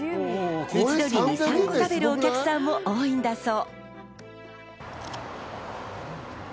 一度に３個食べるお客さんも多いんだそう。